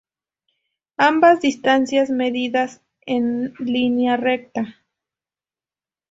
Ambas distancias medidas en línea recta.